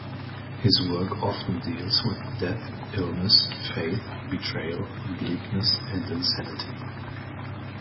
His work often deals with death, illness, faith, betrayal, bleakness and insanity.